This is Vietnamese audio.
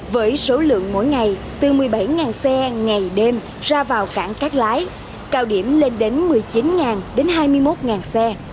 với số lượng mỗi ngày từ một mươi bảy xe ngày đêm ra vào cảng cát lái cao điểm lên đến một mươi chín đến hai mươi một xe